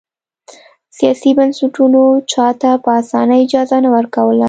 سیاسي بنسټونو چا ته په اسانۍ اجازه نه ورکوله.